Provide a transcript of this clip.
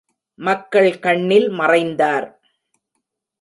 மக்கள் கண்ணில் மறைந்தார்!